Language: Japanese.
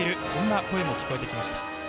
そんな声も聞こえてきました。